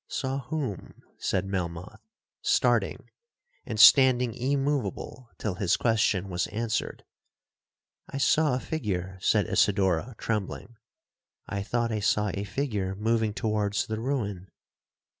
'—'Saw whom?' said Melmoth, starting, and standing immoveable till his question was answered.—'I saw a figure,' said Isidora, trembling—'I thought I saw a figure moving towards the ruin.'